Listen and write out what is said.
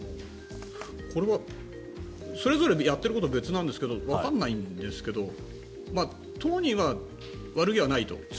これは、それぞれでやっていることは別なんですがわからないんですけど当人は悪気はないと。